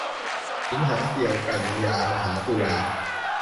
สิงหาเกี่ยวกันยามาหาตุลา